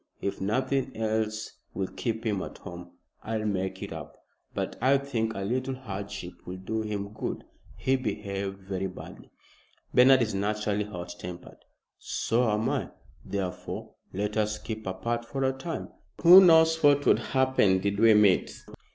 If nothing else will keep him at home, I'll make it up. But I think a little hardship will do him good. He behaved very badly." "Bernard is naturally hot tempered." "So am I. Therefore, let us keep apart for a time. Who knows what would happen did we meet.